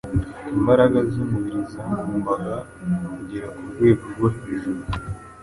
imbaraga z’umubiri zagombaga kugera ku rwego rwo hejuru.